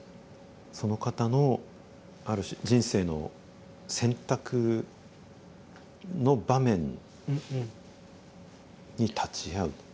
その方のある種人生の選択の場面に立ち会う。